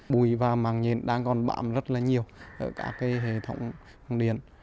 bùi và màng nhện đang còn bạm rất là nhiều ở cả hệ thống điền